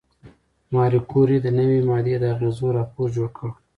ماري کوري د نوې ماده د اغېزو راپور جوړ کړ.